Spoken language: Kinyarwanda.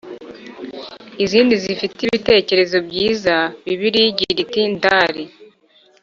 izindi zifite ibitekerezo byiza Bibiliya igira iti ndaari